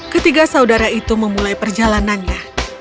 ketiga saudara itu memulai perjalanannya